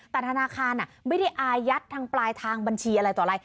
แต่ธนาคารไม่ได้อายัดทางปลายทางบัญชีอะไรต่ออะไร